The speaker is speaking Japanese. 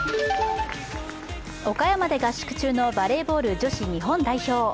岡山で合宿中のバレーボール女子日本代表。